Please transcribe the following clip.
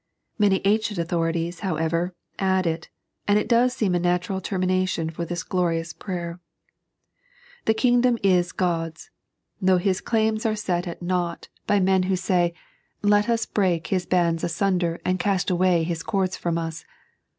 Many ancient authorities, however, add it, and it does seem a natural termination for this glorious prayer. The Kingdom is God's, thou^ His claims are set at 3.n.iized by Google The Consummation. 131 nought hj men who say, Let ue break His bands aeunder and cafit away Hie cords from us.